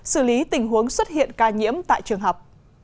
xử lý tình huống xuất hiện ca nhiễm tại trường học